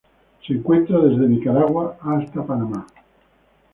Se encuentra desde Nicaragua a Panamá.